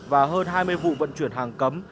và hơn hai mươi vụ vận chuyển hàng cấm